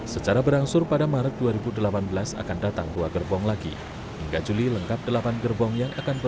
secara berangsur pada maret dua ribu delapan belas akan datang dua gerbong